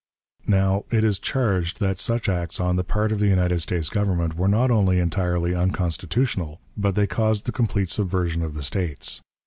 Now, it is charged that such acts on the part of the United States Government were not only entirely unconstitutional, but they caused the complete subversion of the States.